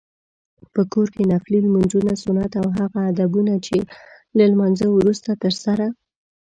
په کور کې نفلي لمونځونه، سنت او هغه ادبونه چې له لمانځته وروسته ترسره